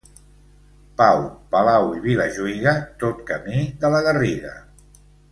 Pau, Palau i Vilajuïga, tot camí de la Garriga.